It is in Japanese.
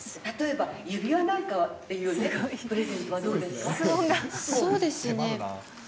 例えば指輪なんかっていうプそうですね。